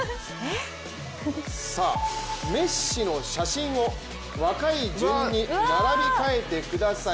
メッシの写真を、若い順に並べ替えてください。